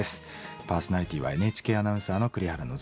パーソナリティーはＮＨＫアナウンサーの栗原望です。